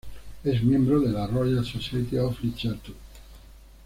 Es miembro de la "Royal Society of Literature".